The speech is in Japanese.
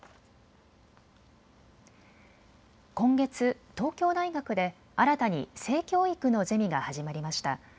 今月、東京大学で新たに性教育のゼミが始まりました。